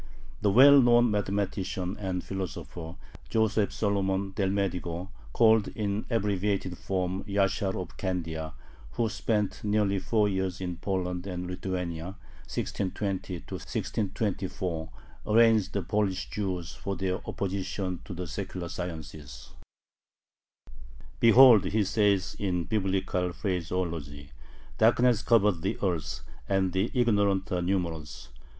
The well known mathematician and philosopher Joseph Solomon Delmedigo (called in abbreviated form "YaSHaR of Candia") who spent nearly four years in Poland and Lithuania (1620 1624), arraigns the Polish Jews for their opposition to the secular sciences: Behold he says in Biblical phraseology darkness covereth the earth, and the ignorant are numerous.